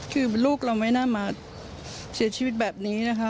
คือลูกเราไม่น่ามาเสียชีวิตแบบนี้นะคะ